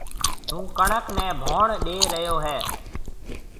ٿوُن ڪڻڪ نَي ڀوڻ ڏيَ ريو هيَ۔